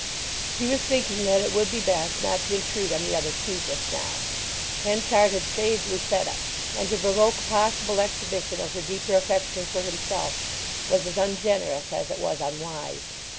He was thinking that it would be best not to intrude on the other two just now. Henchard had saved Lucetta, and to provoke a possible exhibition of her deeper affection for himself was as ungenerous as it was unwise.